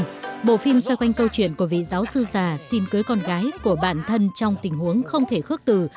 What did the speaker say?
trong đó bộ phim xoay quanh câu chuyện của vị giáo sư già xin cưới con gái của bạn thân trong tình huống không thể khước từ